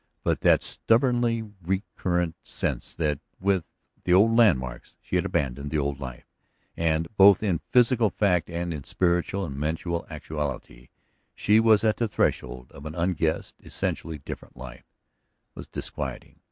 But that stubbornly recurrent sense that with the old landmarks she had abandoned the old life, that both in physical fact and in spiritual and mental actuality she was at the threshold of an unguessed, essentially different life, was disquieting.